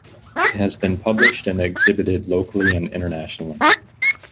It has been published and exhibited locally and internationally.